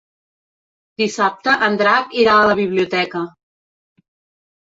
Dissabte en Drac irà a la biblioteca.